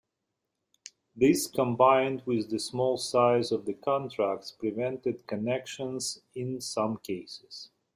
This, combined with the small size of the contacts, prevented connections in some cases.